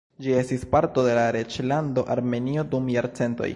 Ĝi estis parto de la Reĝlando Armenio dum jarcentoj.